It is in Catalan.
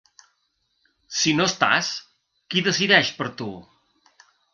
Si no estàs, qui decideix per tu?